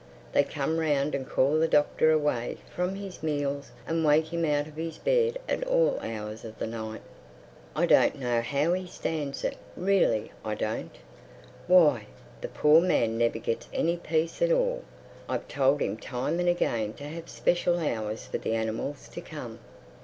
They come round and call the Doctor away from his meals and wake him out of his bed at all hours of the night. I don't know how he stands it—really I don't. Why, the poor man never gets any peace at all! I've told him time and again to have special hours for the animals to come.